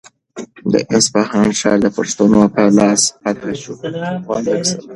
د اصفهان ښار د پښتنو په لاس فتح شو.